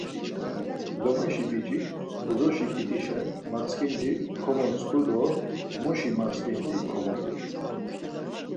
Lomeşi biç̌ik bozoşi ǩitişen martzǩindi komotzǩu do muşi martzǩindi komodu.